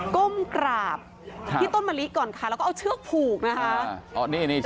ก้มกราบที่ต้นมะลิก่อนค่ะแล้วก็เอาเชือกผูกนะคะ